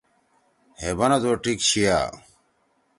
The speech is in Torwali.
ہے بنَدُو ٹھیک چھیا۔